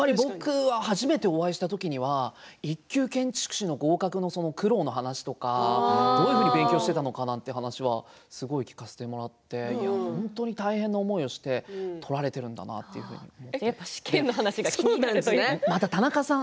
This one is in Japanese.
初めてお会いした時には１級建築士の合格の苦労の話とかどういうふうに勉強していたのかという話を聞かせていただいて本当に大変な思いをしてこられているんだなというふうにまた田中さん